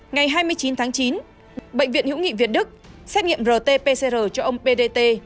ngày hai mươi chín tháng chín bệnh viện hữu nghị việt đức xét nghiệm rt pcr cho ông p d t